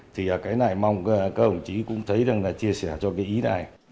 thì cái này mong các ông chí cũng thấy rằng là chia sẻ cho cái ý này